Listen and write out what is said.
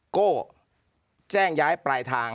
โก้แจ้งย้ายปลายทาง